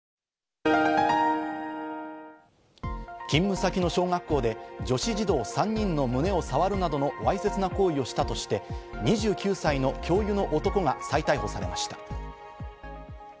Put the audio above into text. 勤務先の小学校で女子児童３人の胸を触るなどのわいせつな行為をしたとして、２９歳の教諭の男が再逮捕されました。